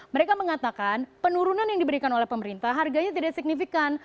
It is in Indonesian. mereka mengatakan penurunan yang diberikan oleh pemerintah harganya tidak signifikan